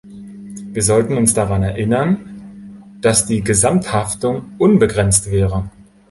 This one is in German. Wir sollten uns daran erinnern, dass die Gesamthaftung unbegrenzt wäre.